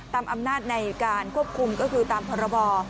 ตามอำนาจในการควบคุมก็คือตามพรบ